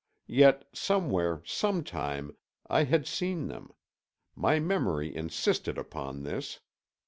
Yet somewhere, sometime, I had seen them; my memory insisted upon this.